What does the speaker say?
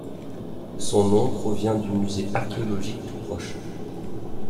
Son nom provient du musée archéologique tout proche.